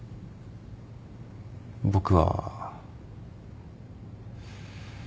僕は。